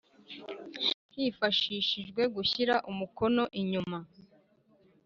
hifashishijwe gushyira umukono inyuma